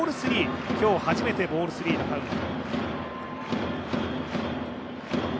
今日初めてボールスリーのカウント。